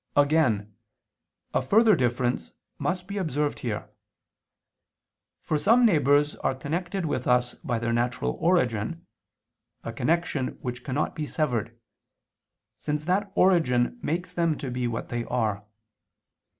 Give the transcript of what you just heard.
Again a further difference must be observed here: for some neighbors are connected with us by their natural origin, a connection which cannot be severed, since that origin makes them to be what they are.